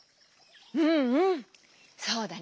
うんうんそうだね。